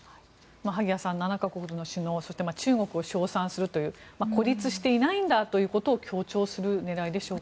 萩谷さん、７か国の首脳そして、中国を称賛するという孤立していないんだということを強調する狙いでしょうか。